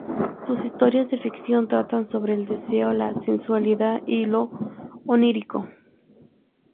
Sus historias de ficción tratan sobre el deseo, la sensualidad y lo onírico.